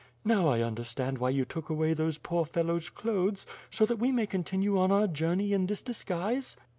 "Now I understand why you took away those poor fellows^ clothes; so that we may continue our journey in this dis guise?"